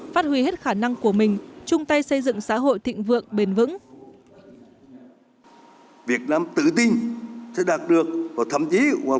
phát huy hết khả năng của mình chung tay xây dựng xã hội thịnh vượng bền vững